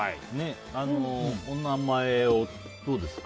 お名前を、どうですか？